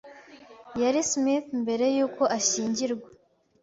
Yari Smith mbere yuko ashyingirwa.